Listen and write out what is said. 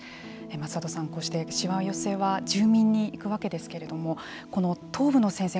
松里さん、こうしてしわ寄せは住民に行くわけですけれどもこの東部の戦線